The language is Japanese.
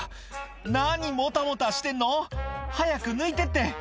「何もたもたしてんの！早く抜いてって！」